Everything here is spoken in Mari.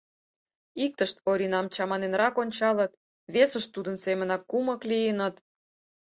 Иктышт Оринам чаманенрак ончалыт, весышт тудын семынак кумык лийыныт.